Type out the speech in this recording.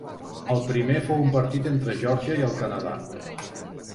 El primer fou un partit entre Geòrgia i el Canadà.